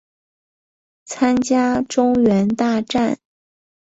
参加中原大战。